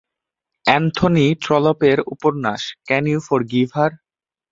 Anthony ট্রলপের উপন্যাস can you forgive her?